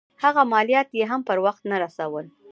هغه مالیات یې هم پر وخت نه رسول.